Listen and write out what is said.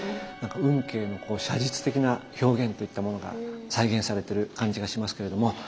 運慶の写実的な表現といったものが再現されてる感じがしますけれども。